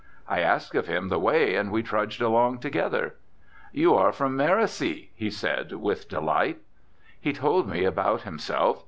I asked of him the way and we trudged along together. "You are from Mericy," he said with delight. He told me about himself.